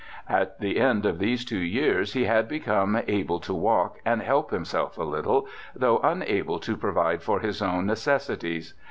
' At the end of these two years he had become able to walk and help himself a little, though unable to pro vide for his own necessities.